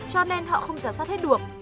cho nên họ không giả soát hết được